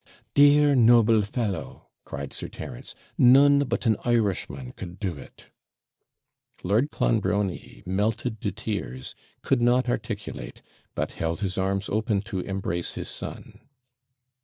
'Dear, noble fellow!' cried Sir Terence; 'none but an Irishman could do it.' Lord Clonbrony, melted to tears, could not articulate, but held his arms open to embrace his son.